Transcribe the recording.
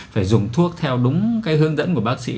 phải dùng thuốc theo đúng cái hướng dẫn của bác sĩ